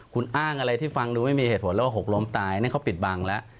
คุณอ้างอะไรที่ฟังดูไม่มีเหตุผลแล้วว่าหกล้มตายนั่นเขาปิดบังแล้ว